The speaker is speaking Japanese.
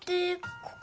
ここ？